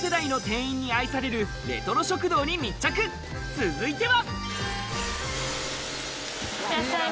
続いては！